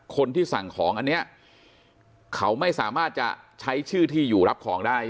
คนที่สั่งของอันนี้เขาไม่สามารถจะใช้ชื่อที่อยู่รับของได้